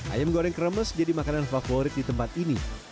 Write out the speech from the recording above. ayam goreng kremes jadi makanan favorit di tempat ini